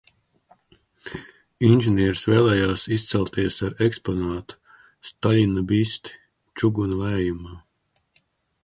Inženieris vēlējās izcelties ar eksponātu, Staļina bisti, čuguna lējumā.